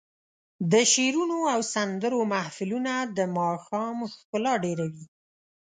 د شعرونو او سندرو محفلونه د ماښام ښکلا ډېروي.